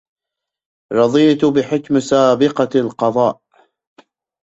رضيت بحكم سابقة القضاء